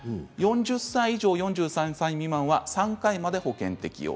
４０歳以上４３歳未満は３回まで保険適用。